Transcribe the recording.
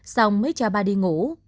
xong mới cho ba đi ngủ